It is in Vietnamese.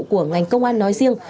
của ngành công an nói riêng